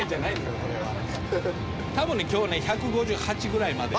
多分ね今日ね１５８ぐらいまで。